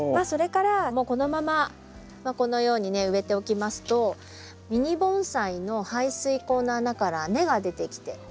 それからこのままこのようにね植えておきますとミニ盆栽の排水口の穴から根が出てきて。